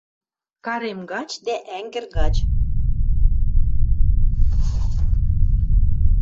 Карем гач дӓ ӓнгӹр гач